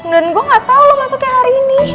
dan gue gak tau lo masuknya hari ini